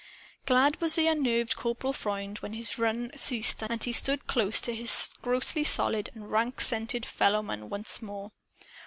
Glad was the unnerved Corporal Freund when his run ceased and he stood close to his grossly solid and rank scented fellowmen once more.